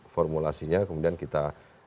formulasinya kemudian kita